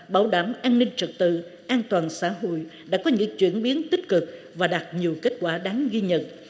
bảo đảm an ninh trật tự an toàn xã hội đã có những chuyển biến tích cực và đạt nhiều kết quả đáng ghi nhận